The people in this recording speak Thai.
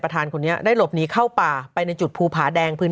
คนนี้ได้หลบหนีเข้าป่าไปในจุดภูผาแดงพื้น